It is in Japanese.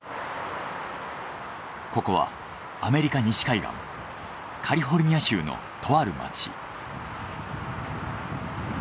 ここはアメリカ西海岸カリフォルニア州のとある街。